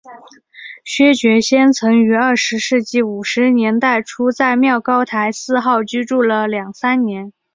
薛觉先曾于二十世纪五十年代初在妙高台四号居住了两三年。